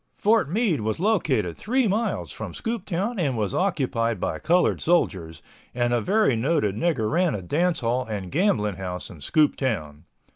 Fort Meade was located three miles from Scooptown and was occupied by colored soldiers, and a very noted nigger ran a dance hall and gambling house in Scooptown.